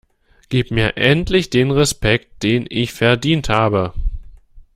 Gib mir endlich den Respekt den ich verdient habe!